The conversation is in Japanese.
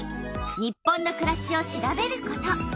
「日本のくらし」を調べること。